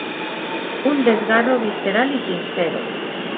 Un desgarro visceral y sincero.